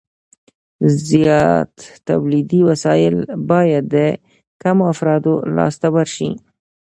زیات تولیدي وسایل باید د کمو افرادو لاس ته ورشي